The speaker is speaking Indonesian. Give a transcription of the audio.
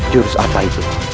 jurus apa itu